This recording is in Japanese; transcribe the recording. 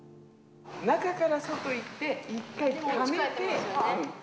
中から外いって一回、ためて。